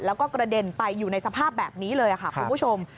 แล้วก็กระเด็นไปอยู่ในสภาพแบบนี้เลยค่ะคุณผู้ชม